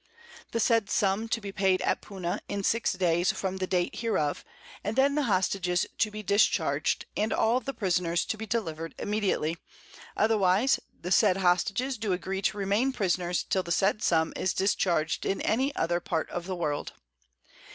The said Sum to be paid at Puna in six Days from the Date hereof, and then the Hostages to be discharg'd, and all the Prisoners to be deliver'd immediately, otherwise the said Hostages do agree to remain Prisoners till the said Sum is discharg'd in any other Part of the World.